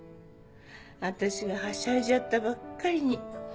私がはしゃいじゃったばっかりに。